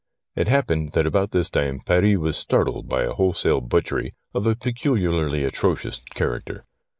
It happened that about this time Paris was startled by a wholesale butchery of a peculiarly atrocious character.